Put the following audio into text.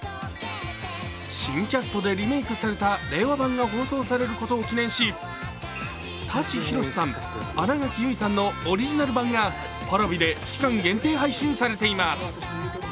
新キャストでリメイクされた令和版が放送されることを記念し、舘ひろしさん、新垣結衣さんのオリジナル版がＰａｒａｖｉで期間限定配信されています。